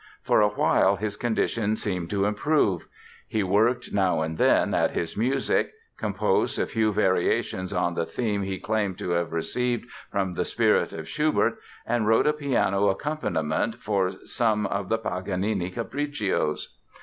For a while his condition seemed to improve. He worked now and then at his music, composed a few variations on the theme he claimed to have received from the spirit of Schubert and wrote a piano accompaniment for some of the Paganini Capriccios.